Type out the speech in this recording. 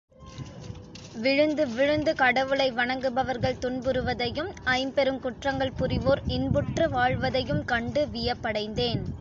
விழுந்து விழுந்து கடவுளை வணங்குபவர்கள் துன்புறுவதையும் ஐம்பெருங்குற்றங்கள் புரிவோர் இன்புற்று வாழ்வதையும் கண்டு வியப்படைந்தேன்.